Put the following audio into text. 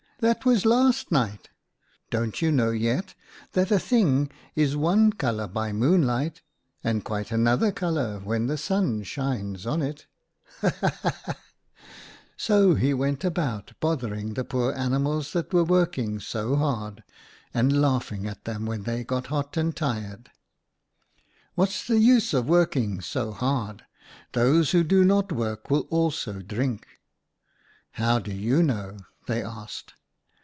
That was last night. Don't you know yet that a thing is one colour by moonlight, and quite another colour when the sun shines on it ? Ha ! ha ! ha !' THE ANIMALS' DAM 93 " So he went about bothering the poor animals that were working so hard, and laughing at them when they got hot and tired. "' What's the use of working so hard ? Those who do not work will also drink.' "' How do you know ?' they asked.